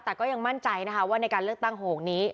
แต่ก็ยังมั่นใจนะคะว่าในการเลือกตั้งโหกนี้